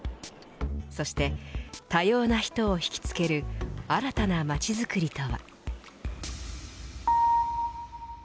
そして多様な人を引きつける新たな街づくりとは。